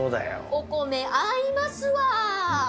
お米合いますわー。